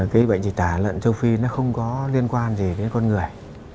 thịt lợn châu phi không có liên quan gì đến con người